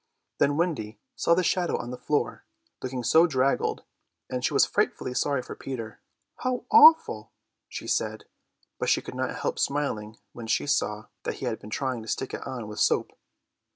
Then Wendy saw the shadow on the floor, looking so draggled, and she was frightfully sorry for Peter. "How awful!" she said, but she could not help smiling when she saw that he had been trying to stick it on with soap.